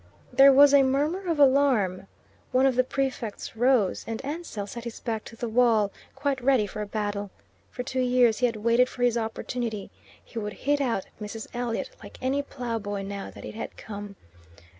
There was a murmur of alarm. One of the prefects rose, and Ansell set his back to the wall, quite ready for a battle. For two years he had waited for his opportunity. He would hit out at Mrs. Elliot like any ploughboy now that it had come.